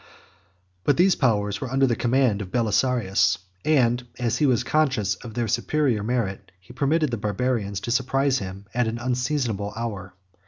But these powers were under the command of Belisarius; and, as he was conscious of their superior merit, he permitted the Barbarians to surprise him at an unseasonable hour.